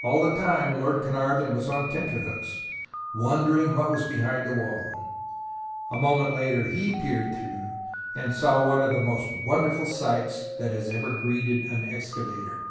All the time Lord Carnarvon was on tenterhooks, wondering what was behind the wall. A moment later he peered through, and saw one of the most wonderful sights that has ever greeted an excavator.